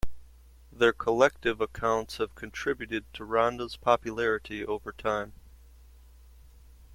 Their collective accounts have contributed to Ronda's popularity over time.